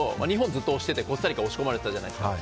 ずっと押しててコスタリカ押し込まれていたじゃないですか。